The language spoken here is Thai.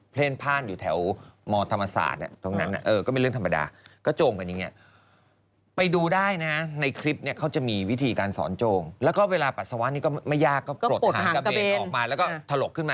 กลับแล้วก็ม้วนใหม่กับการใส่ด้านบน